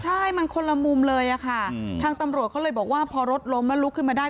ใช่มันคนละมุมเลยค่ะทางตำรวจเขาเลยบอกว่าพอรถล้มแล้วลุกขึ้นมาได้